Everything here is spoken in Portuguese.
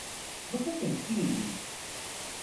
Você tem filhos?